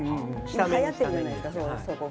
はやってるじゃないですか。